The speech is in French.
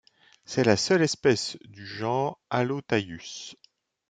C'est la seule espèce du genre Allotaius.